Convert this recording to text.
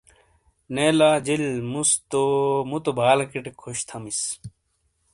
نے لا جِیل مُس موتو بالیکٹ خوش تھیمِس۔